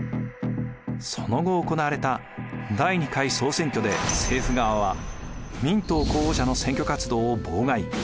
その後行われた第２回総選挙で政府側は民党候補者の選挙活動を妨害。